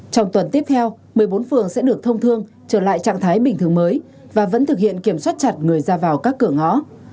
trong tuần tiếp theo một mươi bốn phường sẽ được thông thương trở lại trạng thái bình thường mới và vẫn thực hiện kiểm soát chặt người ra vào các cửa ngõ